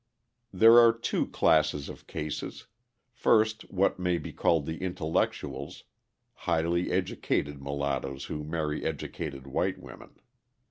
There are two classes of cases, first, what may be called the intellectuals; highly educated mulattoes who marry educated white women.